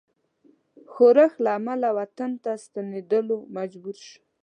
ښورښ له امله وطن ته ستنېدلو مجبور شو.